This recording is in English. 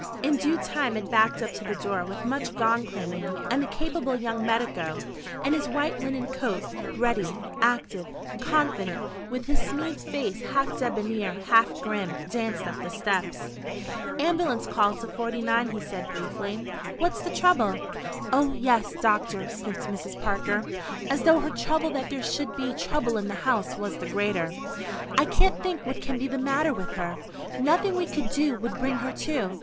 In due time it backed up to the door with much gong clanging, and the capable young medico, in his white linen coat, ready, active, confident, with his smooth face half debonair, half grim, danced up the steps. "Ambulance call to 49," he said briefly. "What's the trouble?" "Oh, yes, doctor," sniffed Mrs. Parker, as though her trouble that there should be trouble in the house was the greater. "I can't think what can be the matter with her. Nothing we could do would bring her to.